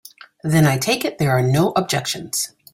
Then I take it there are no objections.